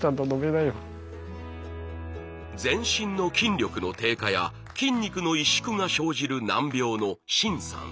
全身の筋力の低下や筋肉の萎縮が生じる難病の愼さん。